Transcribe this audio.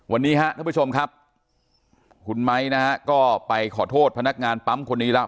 วันนี้ครับท่านผู้ชมครับคุณไม้นะฮะก็ไปขอโทษพนักงานปั๊มคนนี้แล้ว